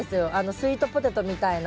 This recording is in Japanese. スイートポテトみたいな。